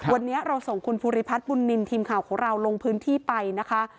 วันนี้เราส่งคุณภูริพัฒน์บุญนินทีมข่าวของเราลงพื้นที่ไปนะคะ